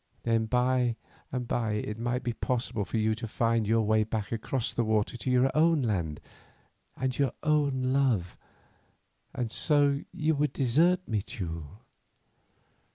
Then by and by it might be possible for you to find your way back across the waters to your own land and your own love, and so you would desert me, Teule.